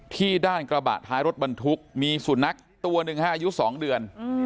ด้านกระบะท้ายรถบรรทุกมีสุนัขตัวหนึ่งอายุ๒เดือน